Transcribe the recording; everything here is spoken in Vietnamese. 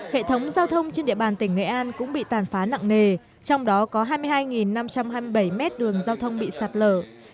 hệ thống giao thông trên địa bàn tỉnh nghệ an cũng bị tàn phá nặng nề trong đó có hai mươi hai năm trăm hai mươi bảy mét đường giao thông bị sạt lở